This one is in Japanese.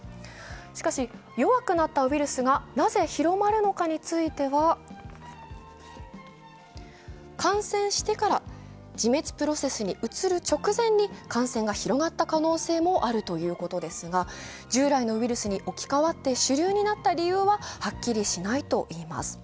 しかし、弱くなったウイルスがなぜ広まるのかについては、感染してから自滅プロセスに移る直前に感染が広がった可能性もあるということですが従来のウイルスに置き換わった主流になった理由ははっきりしないといいます。